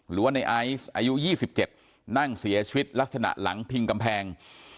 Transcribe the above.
หรือว่าในไอซ์อายุ๒๗นั่งเสียชีวิตลักษณะหลังพิงกำแพง